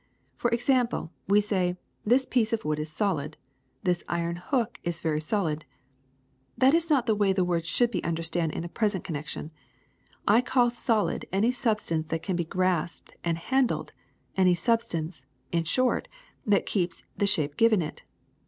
For example, we say *This piece of wood is solid,' *This iron hook is very solid.' That is not the way the word should be understood in the present connection. I call solid any substance that can be grasped and handled, any substance, in short, that keeps the shape given it.